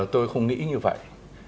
tôi không nghĩ như vậy